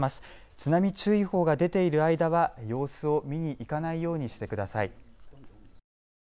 津波注意報が出ている間は様子を見に行かないようにしてください。